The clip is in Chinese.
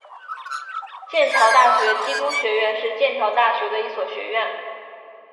剑桥大学基督学院是剑桥大学的一所学院。